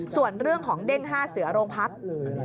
ส่วนเรื่องของเด้ง๕เสือโรงพัก